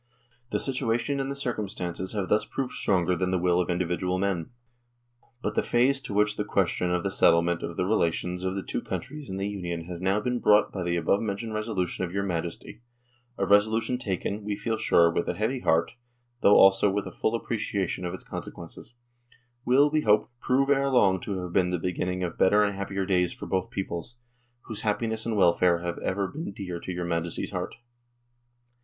The situation and the circum stances have thus proved stronger than the will of individual men. But the phase to which the ques tion of the settlement of the relations of the two countries in the Union has now been brought by the above mentioned resolution of your Majesty a resolution taken, we feel sure, with a heavy heart, though also with a full appreciation of its consequences will, we hope, prove ere long to have been the beginning of better and happier days for both peoples, whose happiness and welfare have ever been dear to your Majesty's heart.